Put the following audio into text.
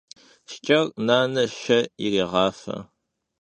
Şşç'er nane şşe yirêğafe.